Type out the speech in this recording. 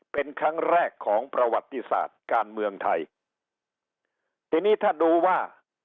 เป็นครั้งแรกของประวัติศาสตร์การเมืองไทยทีนี้ถ้าดูว่า